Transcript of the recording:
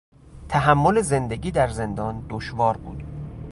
تحمل زندگی در زندان دشوار بود.